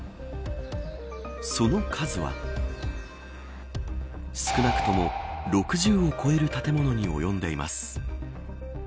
その数は少なくとも６０を超える建物に及んでいます。